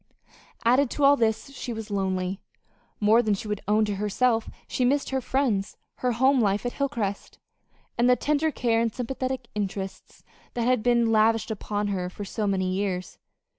Added to all this, she was lonely. More than she would own to herself she missed her friends, her home life at Hilcrest, and the tender care and sympathetic interest that had been lavished upon her for so many years.